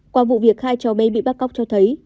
qua vụ việc hai cháu bé bị bắt cóc cho thấy